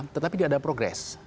tetapi tidak ada progres